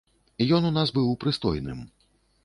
Ён у нас быў прыстойным.